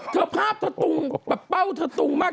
เธอภาพจะตุงเต้าเต้าข็าตุงมาก